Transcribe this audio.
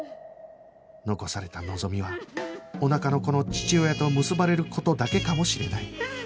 残された望みはおなかの子の父親と結ばれる事だけかもしれない